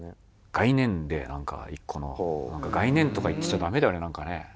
概念でなんか１個の概念とか言ってちゃダメだよね。